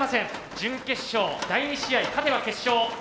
準決勝第２試合勝てば決勝。